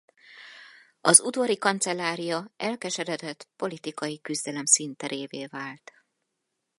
Az udvari kancellária elkeseredett politikai küzdelem színterévé vált.